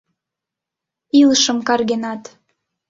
Илышым каргенат.